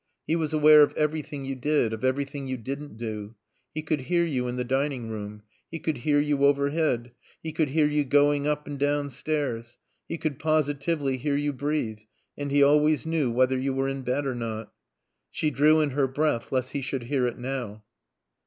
He was aware of everything you did, of everything you didn't do. He could hear you in the dining room; he could hear you overhead; he could hear you going up and downstairs. He could positively hear you breathe, and he always knew whether you were in bed or not. She drew in her breath lest he should hear it now.